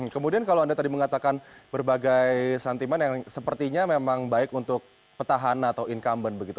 kemudian kalau anda tadi mengatakan berbagai sentimen yang sepertinya memang baik untuk petahana atau incumbent begitu